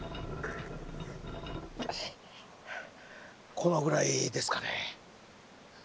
このぐらいですかね。